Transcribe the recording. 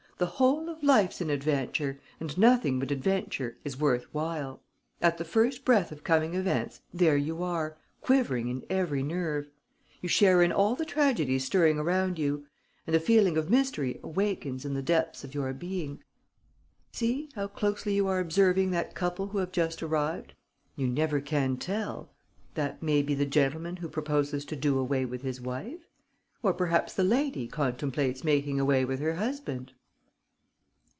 The whole of life's an adventure; and nothing but adventure is worth while. At the first breath of coming events, there you are, quivering in every nerve. You share in all the tragedies stirring around you; and the feeling of mystery awakens in the depths of your being. See, how closely you are observing that couple who have just arrived. You never can tell: that may be the gentleman who proposes to do away with his wife? Or perhaps the lady contemplates making away with her husband?"